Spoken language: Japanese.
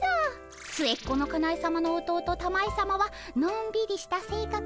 末っ子のかなえさまの弟たまえさまはのんびりしたせいかく。